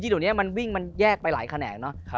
จริงตรงนี้มันวิ่งมันแยกไปหลายแขนง